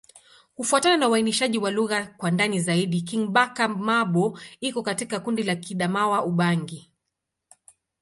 Kufuatana na uainishaji wa lugha kwa ndani zaidi, Kingbaka-Ma'bo iko katika kundi la Kiadamawa-Ubangi.